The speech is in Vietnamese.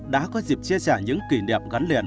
đã có dịp chia sẻ những kỷ niệm gắn liền